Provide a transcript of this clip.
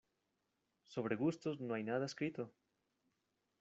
Sobre gustos no hay nada escrito.